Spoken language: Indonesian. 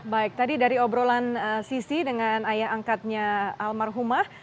baik tadi dari obrolan sisi dengan ayah angkatnya almarhumah